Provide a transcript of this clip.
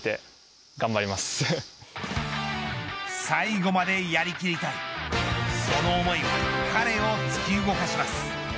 最後までやりきりたいその思いが彼を突き動かします。